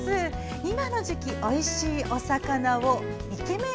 今の時期おいしいお魚をイケメン